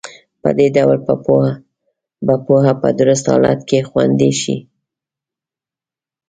په دې ډول به پوهه په درست حالت کې خوندي شي.